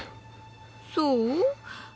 そう？